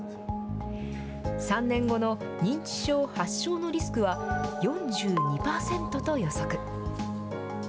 ３年後の認知症発症のリスクは、４２％と予測。